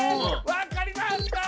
分かりますかー？